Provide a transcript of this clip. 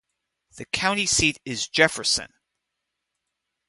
The county seat is Jefferson.